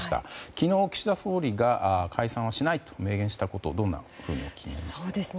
昨日、岸田総理が解散はしないと明言したことどんなふうにお聞きになりましたか？